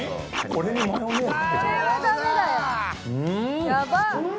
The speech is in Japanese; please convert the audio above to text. これにマヨネーズ？